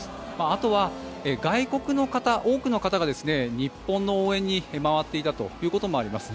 あとは外国の方、多くの方が日本の応援に回っていたということもあります。